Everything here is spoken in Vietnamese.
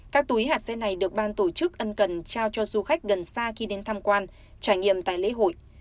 các túi hạt xe này được ban tổ chức ân cần trao cho du khách gần xa khi đến tham quan trải nghiệm tại lễ hội